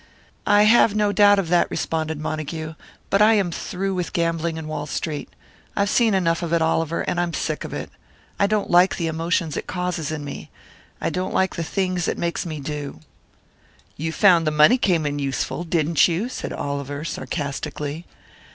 "I have no doubt of that," responded Montague. "But I am through with gambling in Wall Street. I've seen enough of it, Oliver, and I'm sick of it. I don't like the emotions it causes in me I don't like the things it makes me do." "You found the money came in useful, didn't you?" said Oliver, sarcastically.